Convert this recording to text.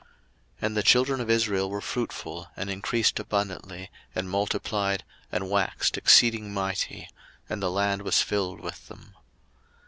02:001:007 And the children of Israel were fruitful, and increased abundantly, and multiplied, and waxed exceeding mighty; and the land was filled with them.